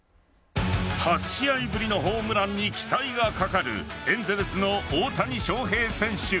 ８試合ぶりのホームランに期待がかかるエンゼルスの大谷翔平選手。